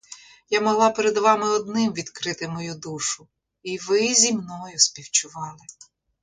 Я могла перед вами одним відкрити мою душу, і ви зі мною співчували.